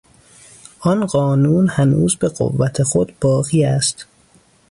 آن قانون هنوز به قوت خود باقی است.